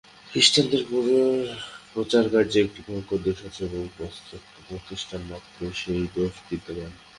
খ্রীষ্টানদের প্রচারকার্যে একটি ভয়ানক দোষ আছে এবং পাশ্চাত্য প্রতিষ্ঠান মাত্রেই এই দোষ বিদ্যমান।